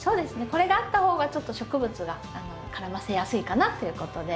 これがあった方がちょっと植物が絡ませやすいかなっていうことで。